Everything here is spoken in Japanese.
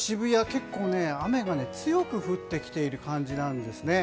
結構雨が強く降ってきている感じです。